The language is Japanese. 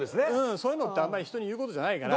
そういうのってあんまり人に言う事じゃないから。